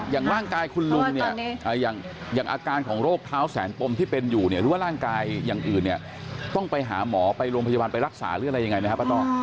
อย่างร่างกายคุณลุงเนี่ยอย่างอาการของโรคเท้าแสนปมที่เป็นอยู่เนี่ยหรือว่าร่างกายอย่างอื่นเนี่ยต้องไปหาหมอไปโรงพยาบาลไปรักษาหรืออะไรยังไงไหมครับป้านอก